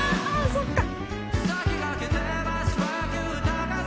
そっか！」